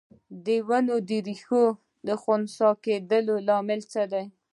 د ونو د ریښو د خوسا کیدو لامل څه دی؟